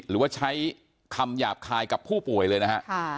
หรือว่าใช้คำหยาบคายกับผู้ป่วยเลยนะฮะ